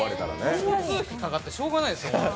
交通費かかってしゃあないですよ。